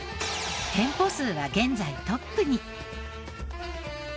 店舗数は現在トップに。